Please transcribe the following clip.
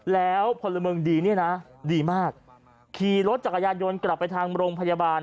แล้วพลเมืองดีเนี่ยนะดีมากขี่รถจักรยานยนต์กลับไปทางโรงพยาบาล